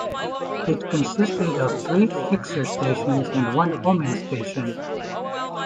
It consisted of three Fixer Stations and one Homing Station.